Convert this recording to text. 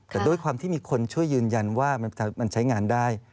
แต่ด้วยความที่มีคนช่วยยืนยันว่ามันใช้งานได้